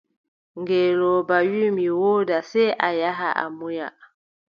Ngeelooba wii : mi wooda, sey a yaha a munya.